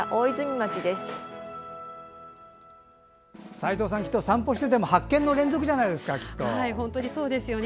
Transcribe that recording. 斉藤さんきっとお散歩してても発見の連続じゃないですかね。